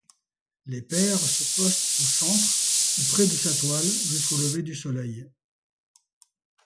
L'épeire se poste au centre ou près de sa toile jusqu'au lever du soleil.